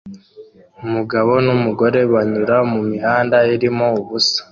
Umugabo numugore banyura mumihanda irimo ubusa